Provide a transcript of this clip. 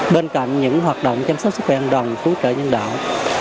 bên cạnh những hoạt động chăm sóc sức khỏe an toàn cứu trợ nhân đạo